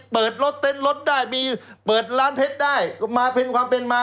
เปิดเต้นรถได้เปิดร้านเท็ตได้มำเต้นความเป็นมา